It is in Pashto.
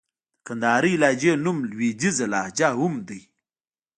د کندهارۍ لهجې نوم لوېديځه لهجه هم دئ.